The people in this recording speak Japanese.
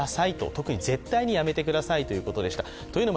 特に、絶対にやめてくださいということです。